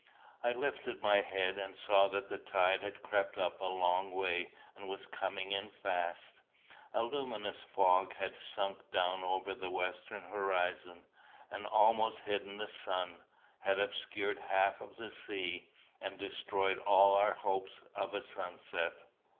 I lifted my head, and saw that the tide had crept up a long way, and was coming in fast. A luminous fog had sunk down over the western horizon, and almost hidden the sun, had obscured the half of the sea, and destroyed all our hopes of a sunset.